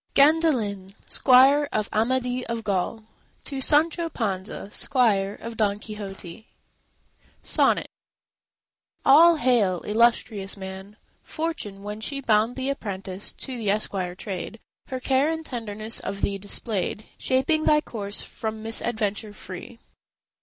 GANDALIN, SQUIRE OF AMADIS OF GAUL, To Sancho Panza, squire of Don Quixote SONNET All hail, illustrious man! Fortune, when she Bound thee apprentice to the esquire trade, Her care and tenderness of thee displayed, Shaping thy course from misadventure free.